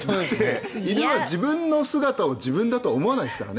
犬は自分の姿を自分だと思わないですからね。